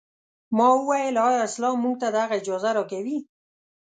ما وویل ایا اسلام موږ ته دغه اجازه راکوي.